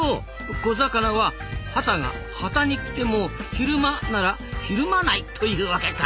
小魚はハタがハタにきても昼間ならヒルマないというわけか。